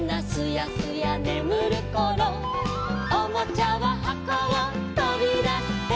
「おもちゃははこをとびだして」